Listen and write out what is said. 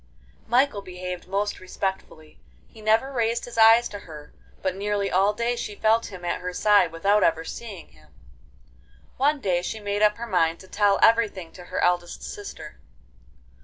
Michael behaved most respectfully. He never raised his eyes to her, but nearly all day she felt him at her side without ever seeing him. One day she made up her mind to tell everything to her eldest sister.